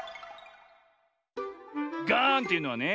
ガーンというのはね